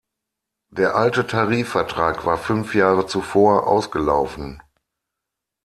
Der alte Tarifvertrag war fünf Jahre zuvor ausgelaufen.